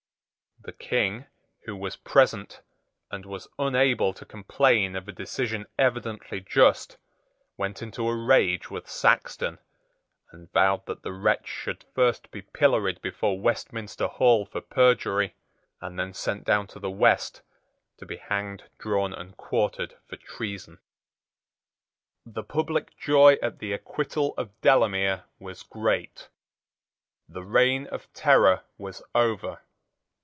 The King, who was present, and was unable to complain of a decision evidently just, went into a rage with Saxton, and vowed that the wretch should first be pilloried before Westminster Hall for perjury, and then sent down to the West to be hanged, drawn, and quartered for treason. The public joy at the acquittal of Delamere was great. The reign of terror was over.